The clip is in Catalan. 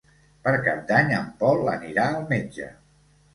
Per Cap d'Any en Pol anirà al metge.